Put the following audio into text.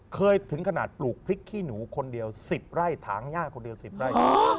ถึงขนาดปลูกพริกขี้หนูคนเดียว๑๐ไร่ถางย่างคนเดียว๑๐ไร่